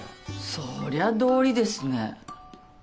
そりゃ道理ですね。